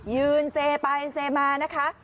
เซไปเซมานะคะ